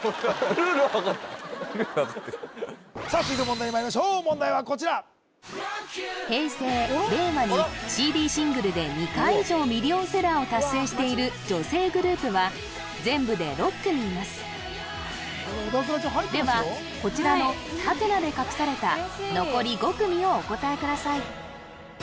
ルールはさあ次の問題にまいりましょう問題はこちら平成令和にＣＤシングルで２回以上ミリオンセラーを達成している女性グループは全部で６組いますではこちらの「？」で隠された残り５組をお答えください